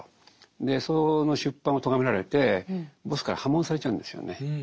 その出版をとがめられてボスから破門されちゃうんですよね。